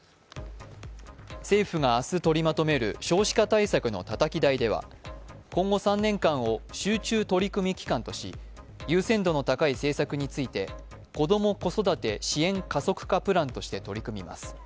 政府が明日取りまとめる少子化対策のたたき台では今後３年間を集中取り組み期間とし優先度の高い政策について、子ども・子育て支援加速化プランとして取り組みます。